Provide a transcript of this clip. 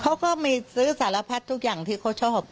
เขาก็มีซื้อสารพัดทุกอย่างที่เขาชอบ